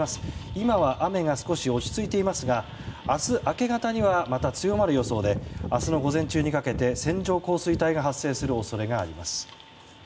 今は雨が少し落ち着いていますが明日、明け方にはまた強まる予報で明日の午前中にかけて線状降水帯が発生する恐れがあります。